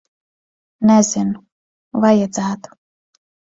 Nezinu. Vajadzētu.